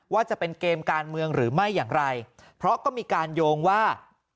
ว่าจะเป็นเกมการเมืองหรือไม่อย่างไรเพราะก็มีการโยงว่า